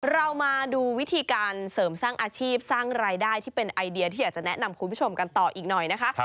เรามาดูวิธีการเสริมสร้างอาชีพสร้างรายได้ที่เป็นไอเดียที่อยากจะแนะนำคุณผู้ชมกันต่ออีกหน่อยนะคะ